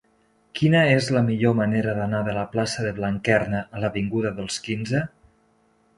Quina és la millor manera d'anar de la plaça de Blanquerna a l'avinguda dels Quinze?